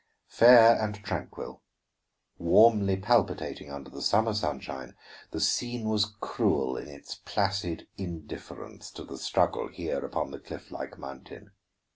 Fair and tranquil, warmly palpitating under the summer sunshine, the scene was cruel in its placid indifference to the struggle here upon the cliff like mountain.